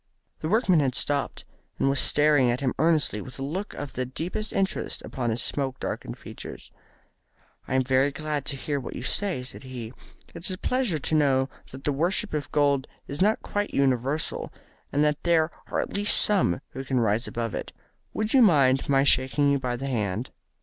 The workman had stopped, and was staring at him earnestly with a look of the deepest interest upon his smoke darkened features. "I am very glad to hear what you say," said he. "It is a pleasure to know that the worship of gold is not quite universal, and that there are at least some who can rise above it. Would you mind my shaking you by the hand?"